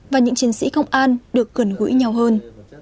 và những chiến sĩ công an được gần gũi nhau hơn